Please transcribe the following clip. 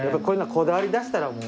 こだわりだしたらもう。